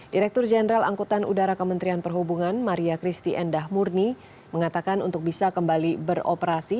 direktur jenderal angkutan udara kementerian perhubungan maria christie endah murni mengatakan untuk bisa kembali beroperasi